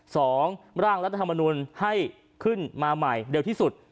สองร่างรัฐธรรมนุนให้ขึ้นมาใหม่เร็วที่สุด